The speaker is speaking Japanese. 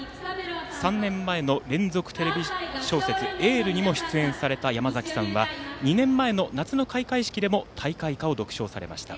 ３年前の連続テレビ小説「エール」にも出演された山崎さんは２年前の夏の開会式でも大会歌を独唱されました。